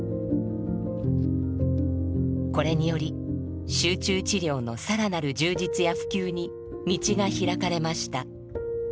これにより集中治療の更なる充実や普及に道が開かれました。